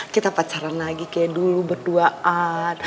kita pacaran lagi kayak dulu berduaan